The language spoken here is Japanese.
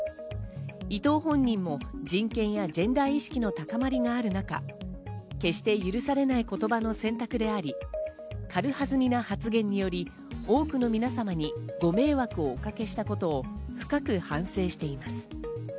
伊東本人も人権やジェンダー意識の高まりがある中、決して許されない言葉の選択であり、軽はずみな発言により多くのみなさまにご迷惑をおかけしたことを深く反省しています。